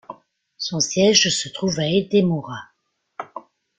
Son siège se trouve à Hedemora.